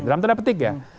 dalam tanda petik ya